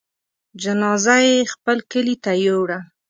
جنازه يې خپل کلي ته يووړه.